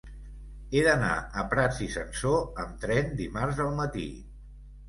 He d'anar a Prats i Sansor amb tren dimarts al matí.